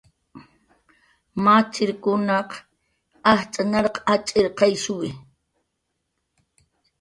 Machirkunaq ajtz' narq atx'irqayshuwi.